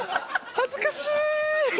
恥ずかしい！